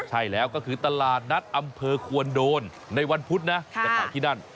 ใช่แล้วก็คือตลาดนัดอำเภอควรโดนในวันพุธนะจะขายที่นั่น